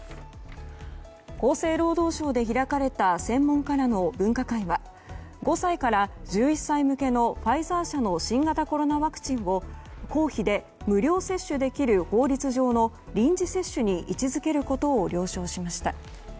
厚生労働省で開かれた専門家らの分科会は５歳から１１歳向けのファイザー社の新型コロナワクチンを公費で無料接種できる法律上の臨時接種に位置付けることを了承しました。